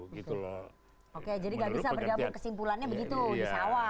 oke jadi gak bisa bergabung kesimpulannya begitu di sawah